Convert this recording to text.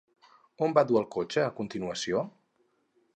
On va dur el cotxe a continuació?